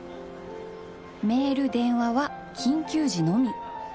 メール電話は緊急時のみ。